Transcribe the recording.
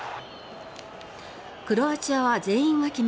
クロアチアは全員が決め